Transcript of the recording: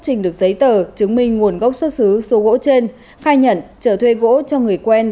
trình được giấy tờ chứng minh nguồn gốc xuất xứ số gỗ trên khai nhận trở thuê gỗ cho người quen